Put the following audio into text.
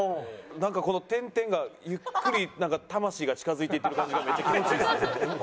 なんかこの点々がゆっくり魂が近付いていってる感じがめっちゃ気持ちいいですね。